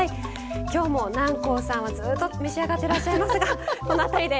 今日も南光さんはずっと召し上がってらっしゃいますがこの辺りで。